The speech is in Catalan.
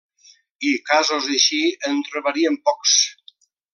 I casos així en trobarien pocs.